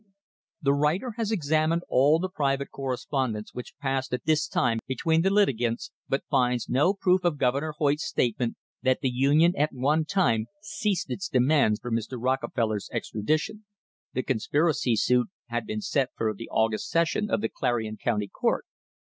V* THE COMPROMISE OF 1880 The writer has examined all the private correspondence which passed at this time between the litigants, but finds no proof of Governor Hoyt's statement that the Union at one time ceased its demands for Mr. Rockefeller's extradition. The conspiracy suit had been set for the August session of the Clarion County court.